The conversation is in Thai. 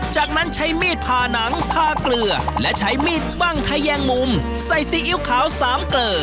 จากนั้นใช้มีดผ่าหนังทาเกลือและใช้มีดบ้างทะแยงมุมใส่ซีอิ๊วขาวสามเกลอ